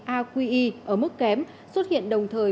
aqi ở mức kém xuất hiện đồng thời